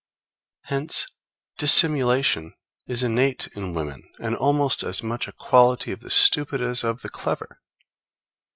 Hence, dissimulation is innate in woman, and almost as much a quality of the stupid as of the clever.